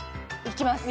いきます。